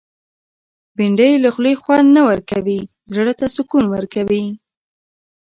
بېنډۍ له خولې خوند نه ورکوي، زړه ته سکون ورکوي